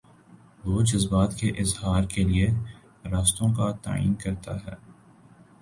وہ جذبات کے اظہار کے لیے راستوں کا تعین کرتا ہے۔